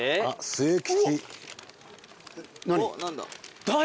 末吉。